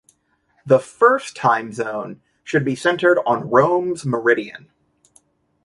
The first time zone should be centred on Rome's meridian.